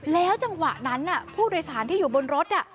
แล้วจังหวะนั้นผู้โดยสารที่อยู่บนรถ